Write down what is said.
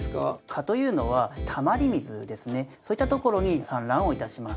蚊というのはたまり水ですねそういった所に産卵を致します。